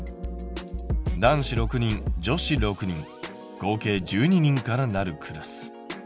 男子６人女子６人合計１２人からなるクラス。